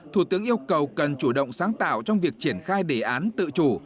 thủ tướng yêu cầu cần chủ động sáng tạo trong việc triển khai đề án tự chủ